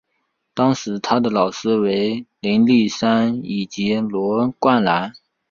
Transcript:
当时他的老师为林立三以及罗冠兰。